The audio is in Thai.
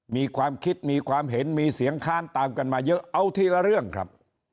มีความคิดมีความเห็นมีเสียงค้านตามกันมาเยอะเอาทีละเรื่องครับ